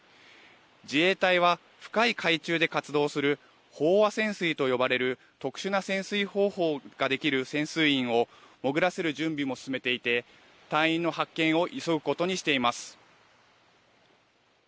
自衛隊は深い海中で活動する飽和潜水と呼ばれる特殊な潜水方法ができる潜水員を潜らせる準備も進めていて隊員の発見を急ぐことにしています。